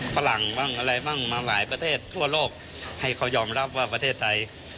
ฝรั่งบ้างอะไรบ้างมาหลายประเทศทั่วโลกให้เขายอมรับว่าประเทศไทย